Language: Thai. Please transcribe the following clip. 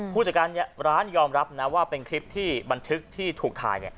ผู้จัดการร้านยอมรับนะว่าเป็นคลิปที่บันทึกที่ถูกถ่าย